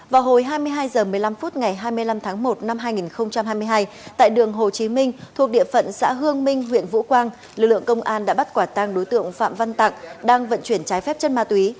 vào hồi hai mươi hai h một mươi năm phút ngày hai mươi năm tháng một năm hai nghìn hai mươi hai tại đường hồ chí minh thuộc địa phận xã hương minh huyện vũ quang lực lượng công an đã bắt quả tăng đối tượng phạm văn tặng đang vận chuyển trái phép chân ma túy